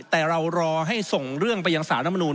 แต่เรารอให้ส่งเรื่องไปยังสารรัฐมนูล